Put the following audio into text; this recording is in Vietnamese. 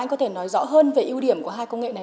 anh có thể nói rõ hơn về ưu điểm của hai công nghệ này